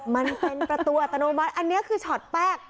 มันเป็นประตูอัตโนมัติอันนี้คือช็อตแรก